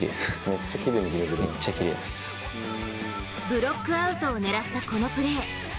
ブロックアウトを狙ったこのプレー。